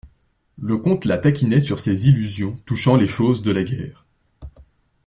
Le comte la taquinait sur ses illusions touchant les choses de la guerre.